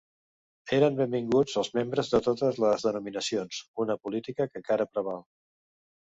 Eren benvinguts els membres de totes les denominacions, una política que encara preval.